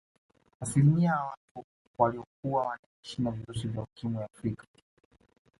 Asilimia ya watu waliokuwa wanaishi na virusi vya Ukimwi Afrika